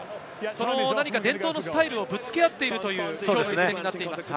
伝統のスタイルをぶつけ合っているという、きょうの一戦になっています。